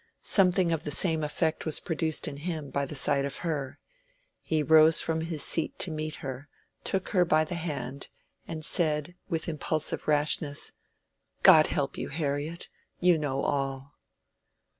Something of the same effect was produced in him by the sight of her: he rose from his seat to meet her, took her by the hand, and said, with his impulsive rashness— "God help you, Harriet! you know all."